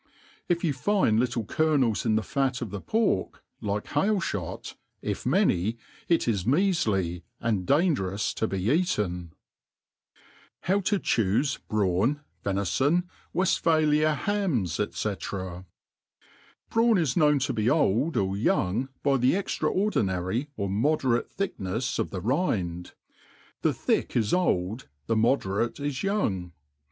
If you find little kernels in the fat nf the pork, like bail* (hot, if many, it is m(;afly» and dangierous to be eaten. •■ How to (hufe Br awn f Vinifon^ W^phalia Hams^ &r. BRAWN is known to.be old ot young by the ej^raordinarf or moderate tbickneft of the rind ; the thick is old, the mode* rate is young.